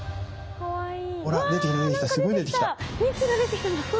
かわいい。